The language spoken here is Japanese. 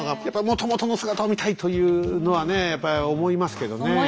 やっぱもともとの姿を見たいというのはねやっぱり思いますけどね。